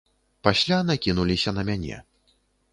Пасля накінуліся на мяне.